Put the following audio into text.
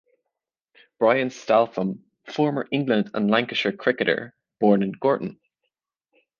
Brian Statham, former England and Lancashire cricketer, born in Gorton.